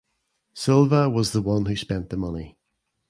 Silva was the one who spent the money.